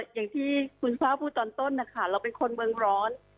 อย่างที่คุณซ่าพูดตอนต้นนะคะเราเป็นคนเมืองร้อน